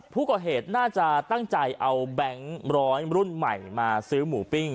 ผู้ก่อเหตุน่าจะตั้งใจเอาแบงค์ร้อยรุ่นใหม่มาซื้อหมูปิ้ง